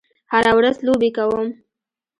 هره ورځ لوبې کوم